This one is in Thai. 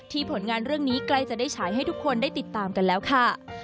ผลงานเรื่องนี้ใกล้จะได้ฉายให้ทุกคนได้ติดตามกันแล้วค่ะ